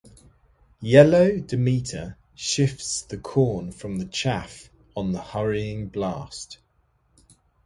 Yellow Demeter sifts the corn from the chaff on the hurrying blast.